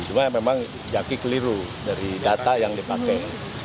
cuma memang jaki keliru dari data yang dipakai